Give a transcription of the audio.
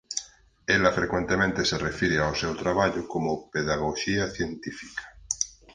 Ela frecuentemente se refire ao seu traballo como "pedagoxía científica".